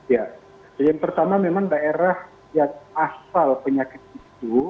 ya yang pertama memang daerah yang asal penyakit itu